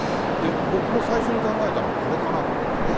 僕も最初に考えたのは、これかなと思ったんですよね。